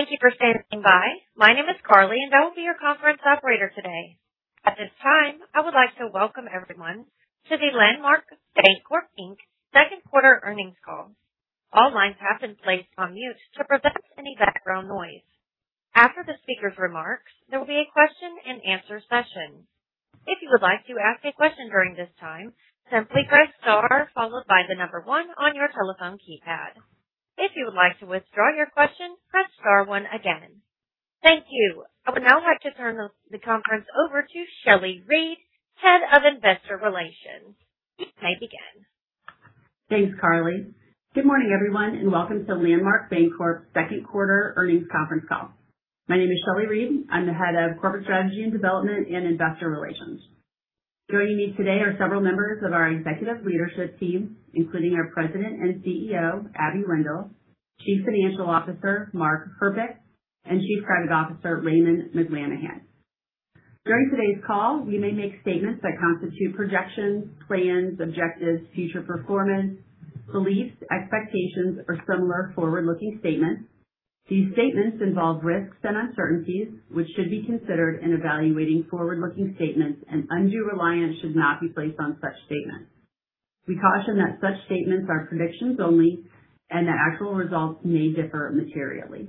Thank you for standing by. My name is Carly, and I will be your conference operator today. At this time, I would like to welcome everyone to the Landmark Bancorp, Inc. Q2 earnings call. All lines have been placed on mute to prevent any background noise. After the speaker's remarks, there will be a question-and-answer session. If you would like to ask a question during this time, simply press star followed by the number one on your telephone keypad. If you would like to withdraw your question, press star one again. Thank you. I would now like to turn the conference over to Shelley Reed, Head of Investor Relations. You may begin. Thanks, Carly. Good morning, everyone, welcome to Landmark Bancorp Q2 earnings conference call. My name is Shelley Reed. I'm the Head of Corporate Strategy and Development and Investor Relations. Joining me today are several members of our executive leadership team, including our President and CEO, Abigail Wendel, Chief Financial Officer, Mark Herpich, and Chief Credit Officer, Raymond McLanahan. During today's call, we may make statements that constitute projections, plans, objectives, future performance, beliefs, expectations, or similar forward-looking statements. These statements involve risks and uncertainties which should be considered in evaluating forward-looking statements, undue reliance should not be placed on such statements. We caution that such statements are predictions only and that actual results may differ materially.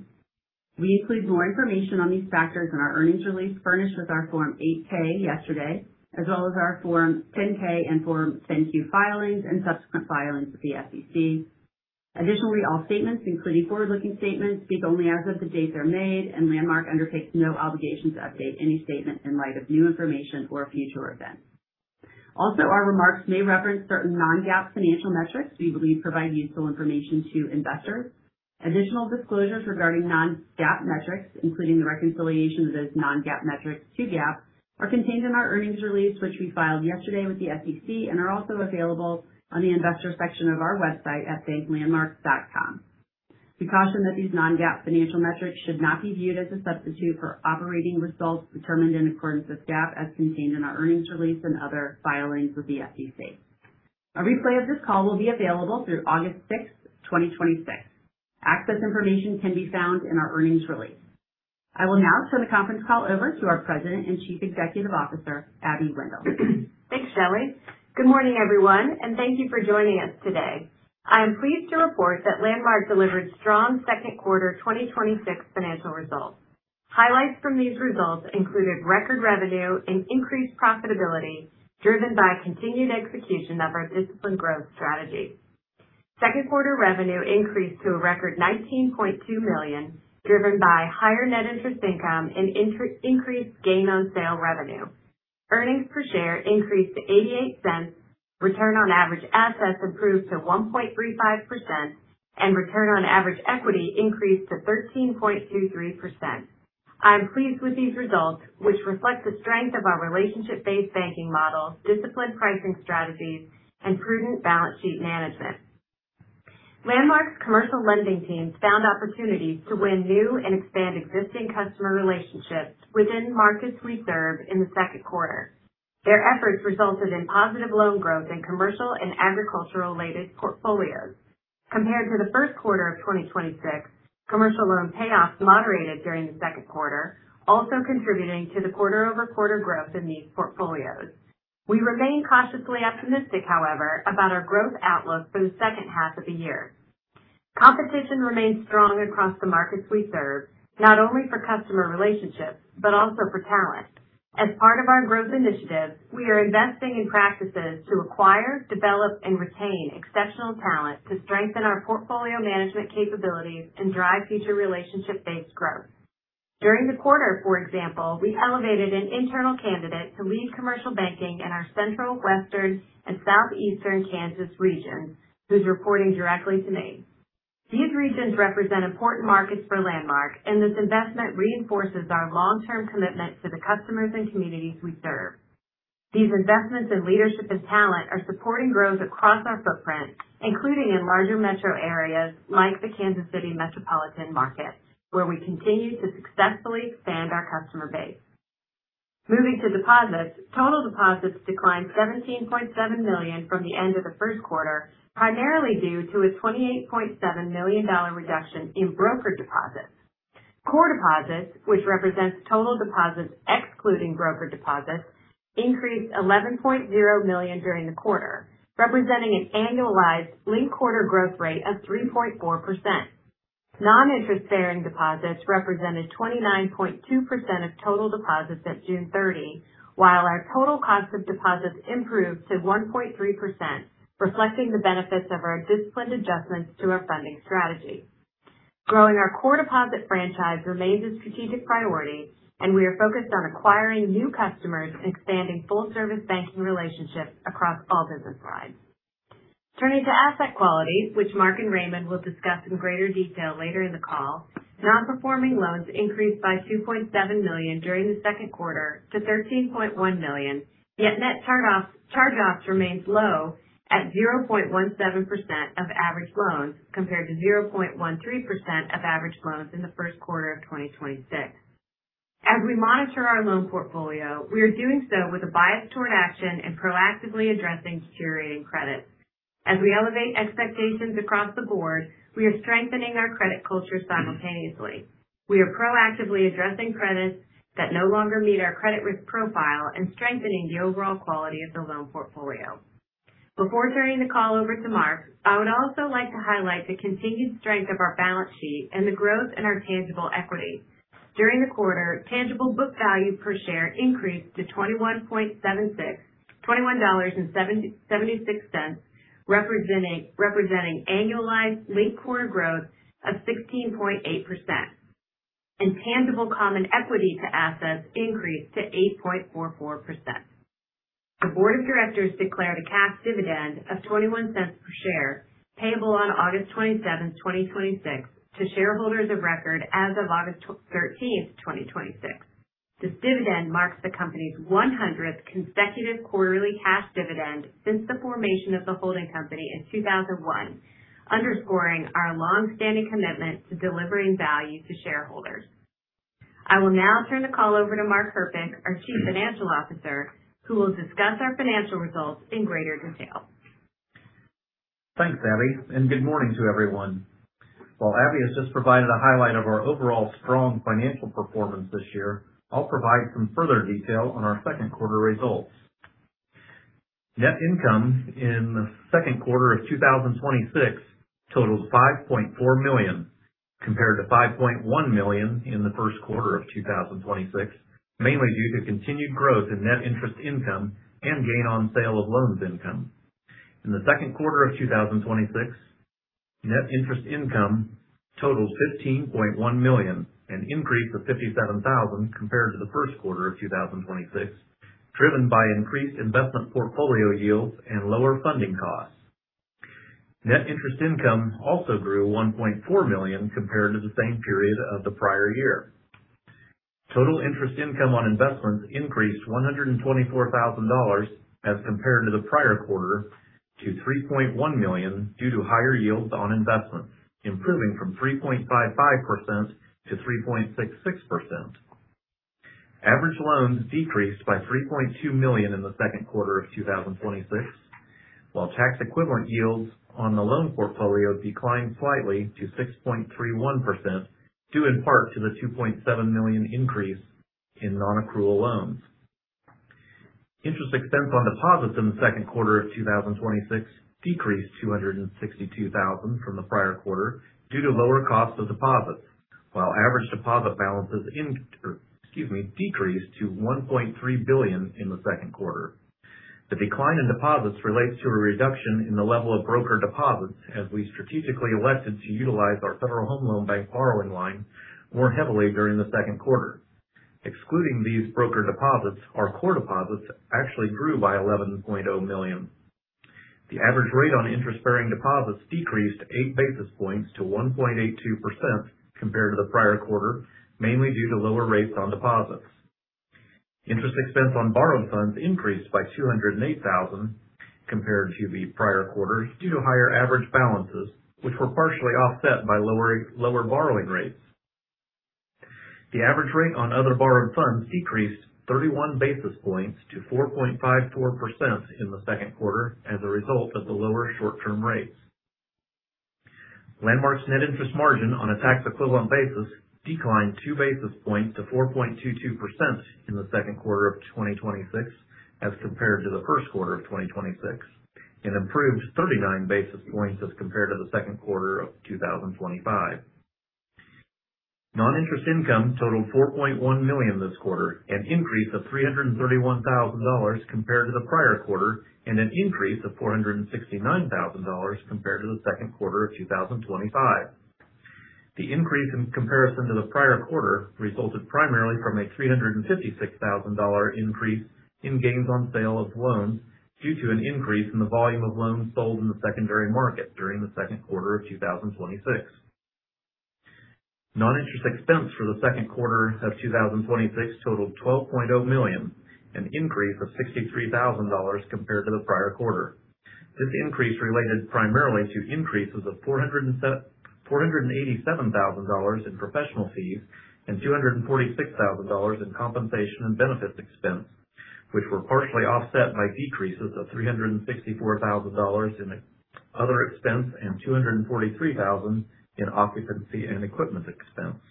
We include more information on these factors in our earnings release furnished with our Form 8-K yesterday, as well as our Form 10-K and Form 10-Q filings and subsequent filings with the SEC. Additionally, all statements, including forward-looking statements, speak only as of the date they're made, Landmark undertakes no obligation to update any statement in light of new information or future events. Also, our remarks may reference certain non-GAAP financial metrics we believe provide useful information to investors. Additional disclosures regarding non-GAAP metrics, including the reconciliation of those non-GAAP metrics to GAAP, are contained in our earnings release, which we filed yesterday with the SEC and are also available on the investor section of our website at banklandmark.com. We caution that these non-GAAP financial metrics should not be viewed as a substitute for operating results determined in accordance with GAAP as contained in our earnings release and other filings with the SEC. A replay of this call will be available through August 6, 2026. Access information can be found in our earnings release. I will now turn the conference call over to our President and Chief Executive Officer, Abigail Wendel. Thanks, Shelley. Good morning, everyone, and thank you for joining us today. I am pleased to report that Landmark delivered strong Q2 2026 financial results. Highlights from these results included record revenue and increased profitability, driven by continued execution of our disciplined growth strategy. Q2 revenue increased to a record $19.2 million, driven by higher net interest income and increased gain on sale revenue. Earnings per share increased to $0.88, return on average assets improved to 1.35%, and return on average equity increased to 13.23%. I'm pleased with these results, which reflect the strength of our relationship-based banking model, disciplined pricing strategies, and prudent balance sheet management. Landmark's commercial lending teams found opportunities to win new and expand existing customer relationships within markets we serve in the Q2. Their efforts resulted in positive loan growth in commercial and agricultural related portfolios. Compared to the Q1 of 2026, commercial loan payoffs moderated during the Q2, also contributing to the quarter-over-quarter growth in these portfolios. We remain cautiously optimistic, however, about our growth outlook for the H2 of the year. Competition remains strong across the markets we serve, not only for customer relationships, but also for talent. As part of our growth initiative, we are investing in practices to acquire, develop, and retain exceptional talent to strengthen our portfolio management capabilities and drive future relationship-based growth. During the quarter, for example, we elevated an internal candidate to lead commercial banking in our Central, Western, and Southeastern Kansas regions, who's reporting directly to me. These regions represent important markets for Landmark, and this investment reinforces our long-term commitment to the customers and communities we serve. These investments in leadership and talent are supporting growth across our footprint, including in larger metro areas like the Kansas City metropolitan market, where we continue to successfully expand our customer base. Moving to deposits, total deposits declined $17.7 million from the end of the Q1, primarily due to a $28.7 million reduction in broker deposits. Core deposits, which represents total deposits excluding broker deposits, increased $11.0 million during the quarter, representing an annualized linked quarter growth rate of 3.4%. Non-interest-bearing deposits represented 29.2% of total deposits on June 30, while our total cost of deposits improved to 1.3%, reflecting the benefits of our disciplined adjustments to our funding strategy. Growing our core deposit franchise remains a strategic priority, and we are focused on acquiring new customers and expanding full-service banking relationships across all business lines. Turning to asset quality, which Mark and Raymond will discuss in greater detail later in the call, non-performing loans increased by $2.7 million during the Q2 to $13.1 million, yet net charge-offs remains low at 0.17% of average loans compared to 0.13% of average loans in the Q1 of 2026. As we monitor our loan portfolio, we are doing so with a bias toward action and proactively addressing security and credit. As we elevate expectations across the board, we are strengthening our credit culture simultaneously. We are proactively addressing credits that no longer meet our credit risk profile and strengthening the overall quality of the loan portfolio. Before turning the call over to Mark, I would also like to highlight the continued strength of our balance sheet and the growth in our tangible equity. During the quarter, tangible book value per share increased to $21.76, representing annualized linked quarter growth of 16.8%. Tangible common equity to assets increased to 8.44%. The board of directors declared a cash dividend of $0.21 per share, payable on August 27th, 2026, to shareholders of record as of August 13th, 2026. This dividend marks the company's 100th consecutive quarterly cash dividend since the formation of the holding company in 2001, underscoring our longstanding commitment to delivering value to shareholders. I will now turn the call over to Mark Herpich, our Chief Financial Officer, who will discuss our financial results in greater detail. Thanks, Abby, and good morning to everyone. While Abby has just provided a highlight of our overall strong financial performance this year, I'll provide some further detail on our Q2 results. Net income in the Q2 of 2026 totaled $5.4 million, compared to $5.1 million in the Q1 of 2026, mainly due to continued growth in net interest income and gain on sale of loans income. In the Q2 of 2026, net interest income totaled $15.1 million, an increase of $57,000 compared to the Q1 of 2026, driven by increased investment portfolio yields and lower funding costs. Net interest income also grew $1.4 million compared to the same period of the prior year. Total interest income on investments increased $124,000 as compared to the prior quarter to $3.1 million due to higher yields on investments, improving from 3.55% to 3.66%. Average loans decreased by $3.2 million in the Q2 of 2026, while tax equivalent yields on the loan portfolio declined slightly to 6.31%, due in part to the $2.7 million increase in nonaccrual loans. Interest expense on deposits in the Q2 of 2026 decreased $262,000 from the prior quarter due to lower cost of deposits, while average deposit balances decreased to $1.3 billion in the Q2. The decline in deposits relates to a reduction in the level of broker deposits as we strategically elected to utilize our Federal Home Loan Bank borrowing line more heavily during the Q2. Excluding these broker deposits, our core deposits actually grew by $11.0 million. The average rate on interest-bearing deposits decreased 8-basis points to 1.82% compared to the prior quarter, mainly due to lower rates on deposits. Interest expense on borrowed funds increased by $208,000 compared to the prior quarter due to higher average balances, which were partially offset by lower borrowing rates. The average rate on other borrowed funds decreased 31-basis points to 4.54% in the Q2 as a result of the lower short-term rates. Landmark's net interest margin on a tax equivalent basis declined 2-basis points to 4.22% in the Q2 of 2026 as compared to the Q1 of 2026 and improved 39-basis points as compared to the Q2 of 2025. Non-interest income totaled $4.1 million this quarter, an increase of $331,000 compared to the prior quarter, and an increase of $469,000 compared to the Q2 of 2025. The increase in comparison to the prior quarter resulted primarily from a $356,000 increase in gains on sale of loans due to an increase in the volume of loans sold in the secondary market during the Q2 of 2026. Non-interest expense for the Q2 of 2026 totaled $12.0 million, an increase of $63,000 compared to the prior quarter. This increase related primarily to increases of $487,000 in professional fees and $246,000 in compensation and benefits expense, which were partially offset by decreases of $364,000 in other expense and $243,000 in occupancy and equipment expense.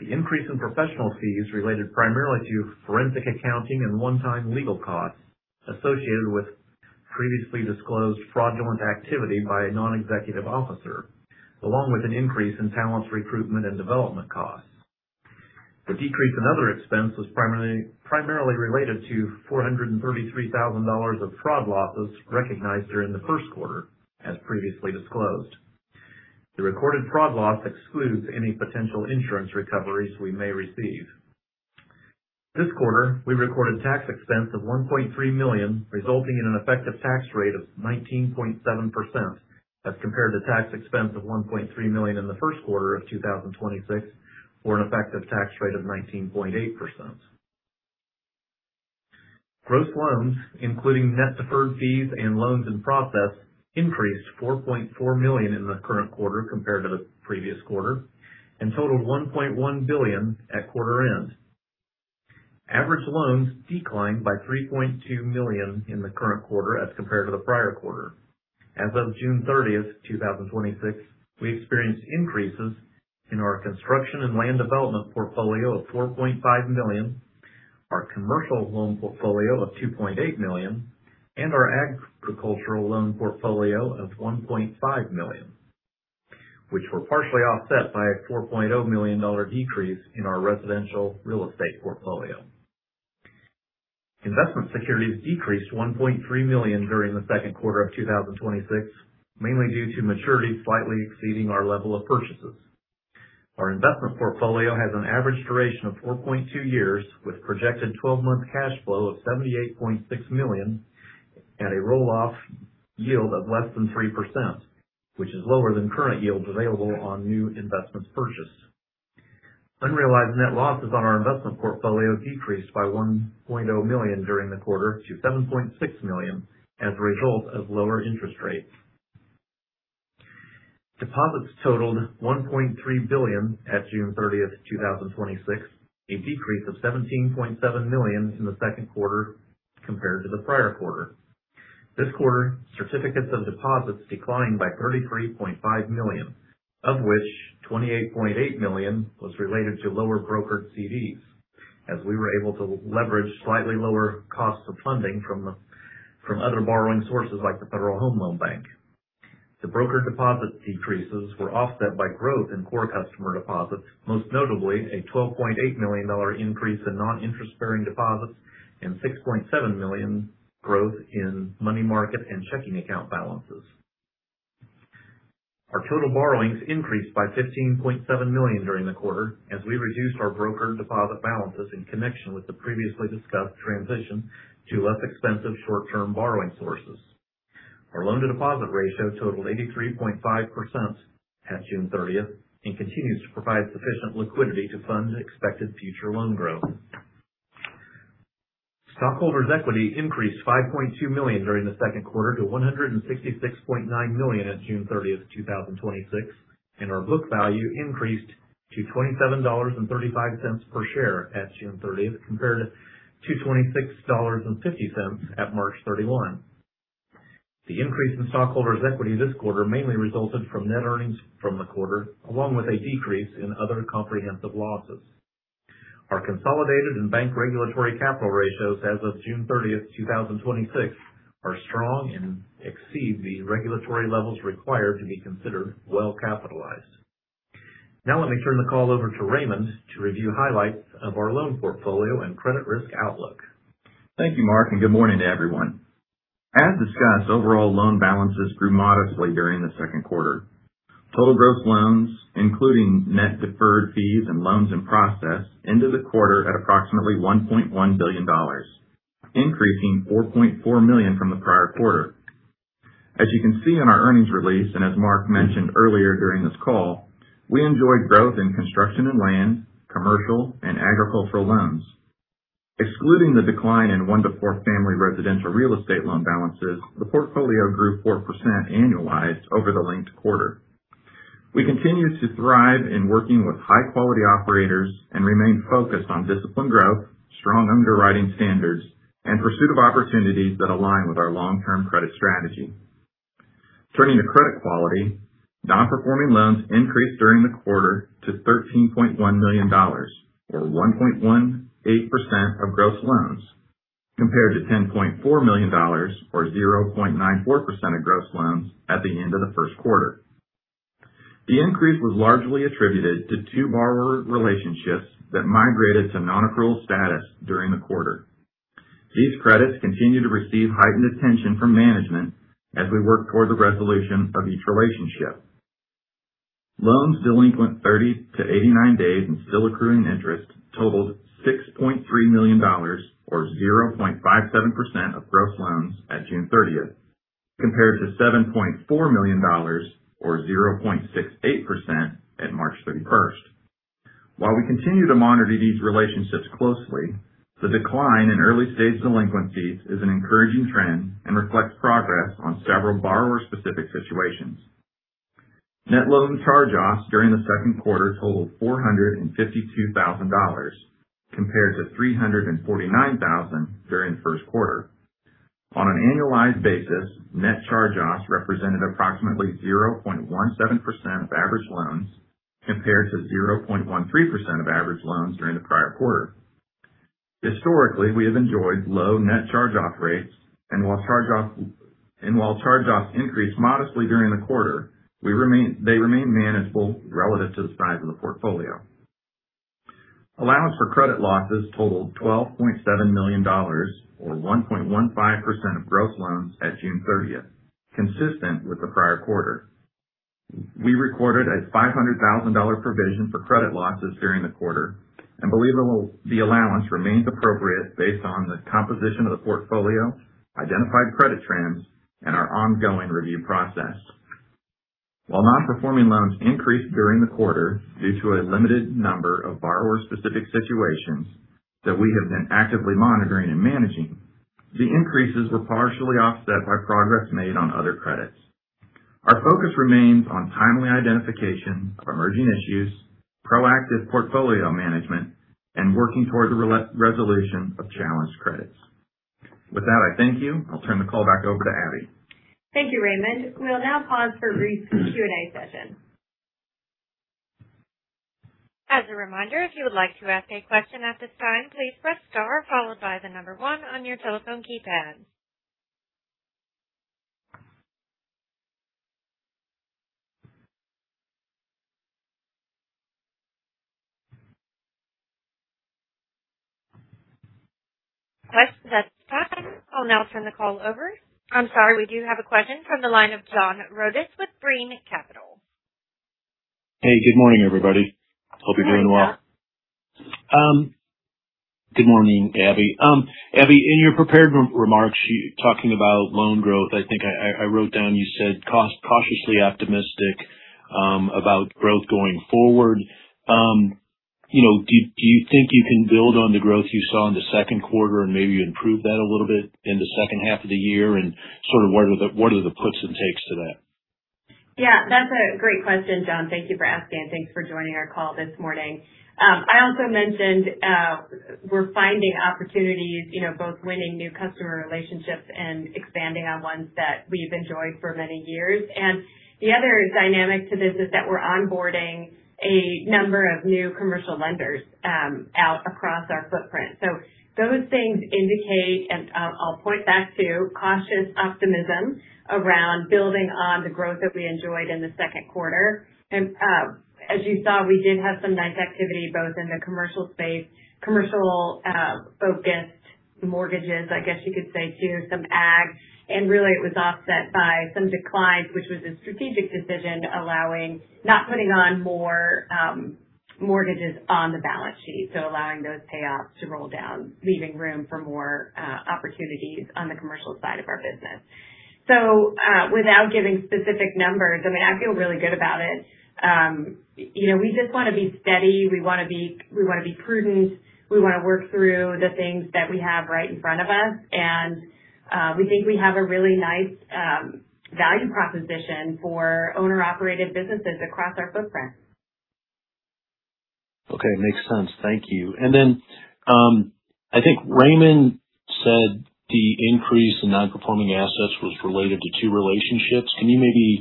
The increase in professional fees related primarily to forensic accounting and one-time legal costs associated with previously disclosed fraudulent activity by a non-executive officer, along with an increase in talent recruitment and development costs. The decrease in other expense was primarily related to $433,000 of fraud losses recognized during the Q1, as previously disclosed. The recorded fraud loss excludes any potential insurance recoveries we may receive. This quarter, we recorded tax expense of $1.3 million, resulting in an effective tax rate of 19.7%, as compared to tax expense of $1.3 million in the Q1 of 2026 for an effective tax rate of 19.8%. Gross loans, including net deferred fees and loans in process, increased to $4.4 million in the current quarter compared to the previous quarter and totaled $1.1 billion at quarter end. Average loans declined by $3.2 million in the current quarter as compared to the prior quarter. As of June 30th, 2026, we experienced increases in our construction and land development portfolio of $4.5 million, our commercial loan portfolio of $2.8 million, and our agricultural loan portfolio of $1.5 million, which were partially offset by a $4.5 million decrease in our residential real estate portfolio. Investment securities decreased $1.3 million during the Q2 of 2026, mainly due to maturities slightly exceeding our level of purchases. Our investment portfolio has an average duration of 4.2 years, with projected 12-month cash flow of $78.6 million at a roll-off yield of less than 3%, which is lower than current yields available on new investments purchased. Unrealized net losses on our investment portfolio decreased by $1.5 million during the quarter to $7.6 million as a result of lower interest rates. Deposits totaled $1.3 billion on June 30th, 2026, a decrease of $17.7 million in the Q2 compared to the prior quarter. This quarter, certificates of deposits declined by $33.5 million, of which $28.8 million was related to lower brokered CDs, as we were able to leverage slightly lower costs of funding from other borrowing sources like the Federal Home Loan Bank. The broker deposit decreases were offset by growth in core customer deposits, most notably a $12.8 million increase in non-interest-bearing deposits and $6.7 million growth in money market and checking account balances. Our total borrowings increased by $15.7 million during the quarter, as we reduced our broker deposit balances in connection with the previously discussed transition to less expensive short-term borrowing sources. Our loan-to-deposit ratio totaled 83.5% on June 30th and continues to provide sufficient liquidity to fund expected future loan growth. Stockholders' equity increased $5.2 million during the Q2 to $166.9 million on June 30th, 2026, and our book value increased to $27.35 per share on June 30th, compared to $26.50 on March 31. The increase in stockholders' equity this quarter mainly resulted from net earnings from the quarter, along with a decrease in other comprehensive losses. Our consolidated and bank regulatory capital ratios as of June 30th, 2026, are strong and exceed the regulatory levels required to be considered well-capitalized. Let me turn the call over to Raymond to review highlights of our loan portfolio and credit risk outlook. Thank you, Mark, and good morning to everyone. As discussed, overall loan balances grew modestly during the Q2. Total gross loans, including net deferred fees and loans in process, ended the quarter at approximately $1.1 billion, increasing $4.4 million from the prior quarter. As you can see in our earnings release, and as Mark mentioned earlier during this call, we enjoyed growth in construction and land, commercial, and agricultural loans. Excluding the decline in one to four family residential real estate loan balances, the portfolio grew 4% annualized over the linked quarter. We continue to thrive in working with high-quality operators and remain focused on disciplined growth, strong underwriting standards, and pursuit of opportunities that align with our long-term credit strategy. Turning to credit quality, non-performing loans increased during the quarter to $13.1 million, or 1.18% of gross loans, compared to $10.4 million, or 0.94% of gross loans, at the end of the Q1. The increase was largely attributed to two borrower relationships that migrated to non-accrual status during the quarter. These credits continue to receive heightened attention from management as we work toward the resolution of each relationship. Loans delinquent 30 to 89 days and still accruing interest totaled $6.3 million, or 0.57%, of gross loans on June 30th, compared to $7.4 million, or 0.68%, on March 31st. While we continue to monitor these relationships closely, the decline in early-stage delinquencies is an encouraging trend and reflects progress on several borrower-specific situations. Net loan charge-offs during the Q2 totaled $452,000, compared to $349,000 during the Q1. On an annualized basis, net charge-offs represented approximately 0.17% of average loans, compared to 0.13% of average loans during the prior quarter. Historically, we have enjoyed low net charge-off rates, and while charge-offs increased modestly during the quarter, they remain manageable relative to the size of the portfolio. Allowance for credit losses totaled $12.7 million, or 1.15% of gross loans on June 30th, consistent with the prior quarter. We recorded a $500,000 provision for credit losses during the quarter and believe the allowance remains appropriate based on the composition of the portfolio, identified credit trends, and our ongoing review process. While non-performing loans increased during the quarter due to a limited number of borrower-specific situations that we have been actively monitoring and managing, the increases were partially offset by progress made on other credits. Our focus remains on timely identification of emerging issues, proactive portfolio management, and working towards the resolution of challenged credits. With that, I thank you. I'll turn the call back over to Abby. Thank you, Raymond. We'll now pause for a brief Q&A session. As a reminder, if you would like to ask a question at this time, please press star followed by the number one on your telephone keypad. At this time, I'm sorry, we do have a question from the line of John Rodis with Brean Capital. Hey, good morning, everybody. Hope you're doing well. Good morning, Abby. Abby, in your prepared remarks, talking about loan growth, I think I wrote down, you said, cautiously optimistic about growth going forward. Do you think you can build on the growth you saw in the Q2 and maybe improve that a little bit in the H2 of the year, what are the puts and takes to that? Yeah, that's a great question, John. Thank you for asking, and thanks for joining our call this morning. I also mentioned we're finding opportunities, both winning new customer relationships and expanding on ones that we've enjoyed for many years. The other dynamic to this is that we're onboarding a number of new commercial lenders out across our footprint. Those things indicate, and I'll point back to cautious optimism around building on the growth that we enjoyed in the Q2. As you saw, we did have some nice activity both in the commercial space, commercial-focused mortgages, I guess you could say too, some ag, and really it was offset by some declines, which was a strategic decision, not putting on more mortgages on the balance sheet, allowing those payoffs to roll down, leaving room for more opportunities on the commercial side of our business. Without giving specific numbers, I feel really good about it. We just want to be steady. We want to be prudent. We want to work through the things that we have right in front of us. We think we have a really nice value proposition for owner-operated businesses across our footprint. Okay. Makes sense. Thank you. Then, I think Raymond said the increase in non-performing assets was related to two relationships. Can you maybe,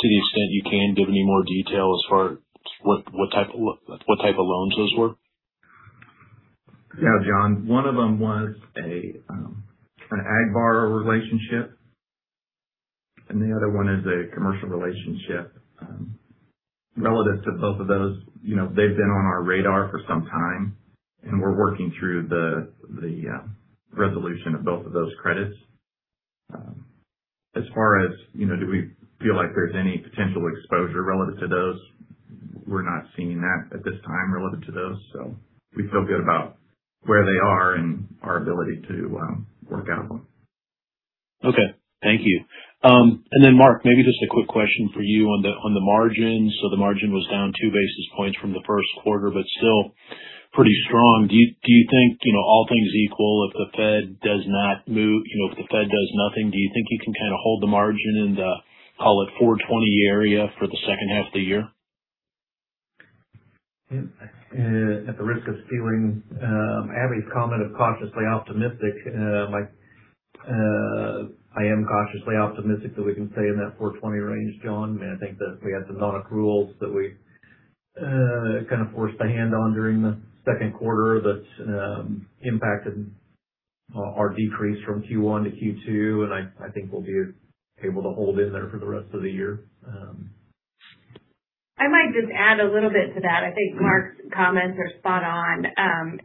to the extent you can, give any more detail as far what type of loans those were? Yeah, John. One of them was an ag borrower relationship, and the other one is a commercial relationship. Relative to both of those, they've been on our radar for some time, and we're working through the resolution of both of those credits. As far as do we feel like there's any potential exposure relative to those, we're not seeing that at this time relative to those. We feel good about where they are and our ability to work out of them. Okay. Thank you. Then Mark, maybe just a quick question for you on the margins. The margin was down two basis points from the Q1, but still pretty strong. Do you think, all things equal, if the Fed does nothing, do you think you can kind of hold the margin in the, call it 420 area for the H2 of the year? At the risk of stealing Abby's comment of cautiously optimistic, I am cautiously optimistic that we can stay in that 420 range, John. I think that we had some non-accruals that we kind of forced a hand on during the Q2 that impacted our decrease from Q1 to Q2, and I think we'll be able to hold in there for the rest of the year. I might just add a little bit to that. I think Mark's comments are spot on,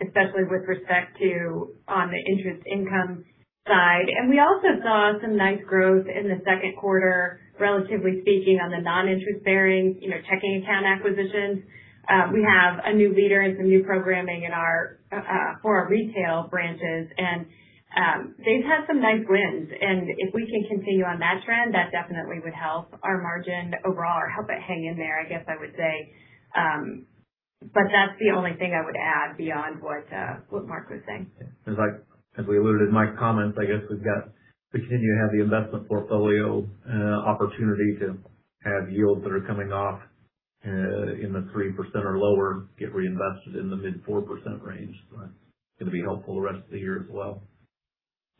especially with respect to on the interest income side. We also saw some nice growth in the Q2, relatively speaking, on the non-interest-bearing checking account acquisitions. We have a new leader and some new programming for our retail branches, and they've had some nice wins. If we can continue on that trend, that definitely would help our margin overall or help it hang in there, I guess I would say. That's the only thing I would add beyond what Mark was saying. As we alluded in my comments, I guess we continue to have the investment portfolio opportunity to have yields that are coming off in the 3% or lower get reinvested in the mid 4% range. That's going to be helpful the rest of the year as well.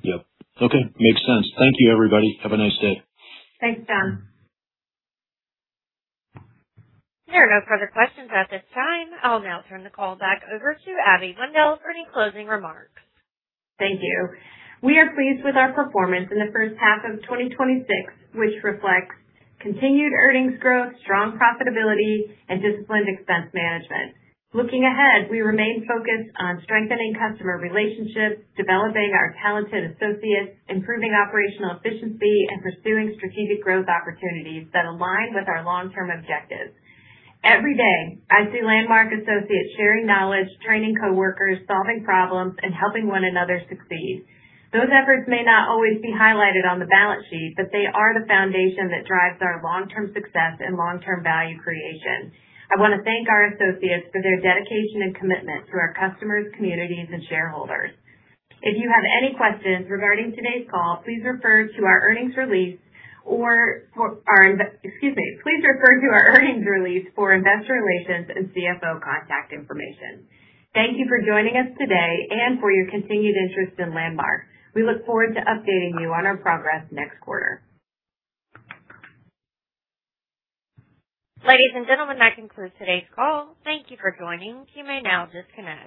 Yep. Okay. Makes sense. Thank you, everybody. Have a nice day. Thanks, John. There are no further questions at this time. I'll now turn the call back over to Abby Wendel for any closing remarks. Thank you. We are pleased with our performance in the H1 of 2026, which reflects continued earnings growth, strong profitability, and disciplined expense management. Looking ahead, we remain focused on strengthening customer relationships, developing our talented associates, improving operational efficiency, and pursuing strategic growth opportunities that align with our long-term objectives. Every day, I see Landmark associates sharing knowledge, training coworkers, solving problems, and helping one another succeed. Those efforts may not always be highlighted on the balance sheet, but they are the foundation that drives our long-term success and long-term value creation. I want to thank our associates for their dedication and commitment to our customers, communities, and shareholders. If you have any questions regarding today's call, please refer to our earnings release for investor relations and CFO contact information. Thank you for joining us today and for your continued interest in Landmark. We look forward to updating you on our progress next quarter. Ladies and gentlemen, that concludes today's call. Thank you for joining. You may now disconnect.